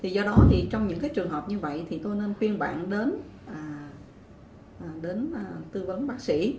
do đó trong những trường hợp như vậy tôi nên khuyên bạn đến tư vấn bác sĩ